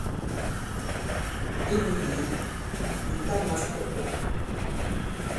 Inyū yě mɛ̀ ta mās tɔ̀ ìɓɔ̀.